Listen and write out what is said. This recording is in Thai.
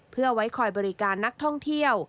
เพื่อไว้คอยบริการนักท่องเที่ยว